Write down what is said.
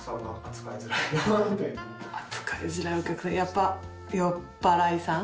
扱いづらいお客さんやっぱ酔っ払いさん。